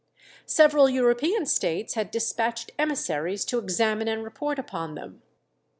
Several European states had despatched emissaries to examine and report upon them.